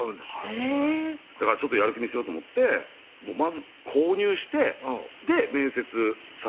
へぇだからちょっとやる気見せようと思ってまず購入して面接さしてもらったんです